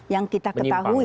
yang kita ketahui